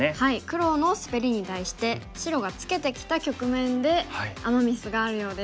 黒のスベリに対して白がツケてきた局面でアマ・ミスがあるようです。